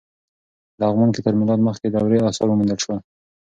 په لغمان کې تر میلاد مخکې دورې اثار وموندل شول.